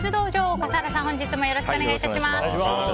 笠原さん、本日もよろしくお願いいたします。